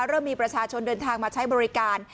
เริ่มมีประชาชนเดินทางมาใช้บริการ